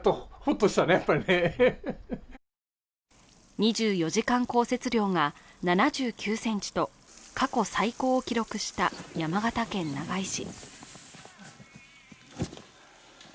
２４時間降雪量が７９ｃｍと過去最高を記録した山形県長井市。